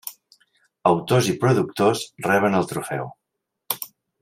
Autors i productors reben el trofeu.